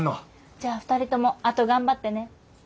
じゃあ２人ともあと頑張ってね。